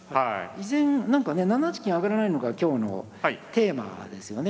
依然なんかね７八金上がらないのが今日のテーマですよね。